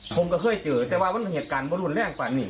ผมก็เคยเจอแต่ว่ามันเหตุการณ์มันรุนแรงกว่านี่